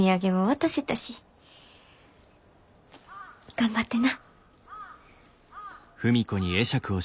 頑張ってな。